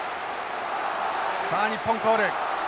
さあ日本コール。